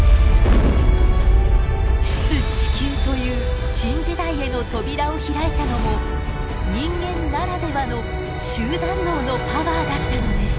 出・地球という新時代への扉を開いたのも人間ならではの集団脳のパワーだったのです。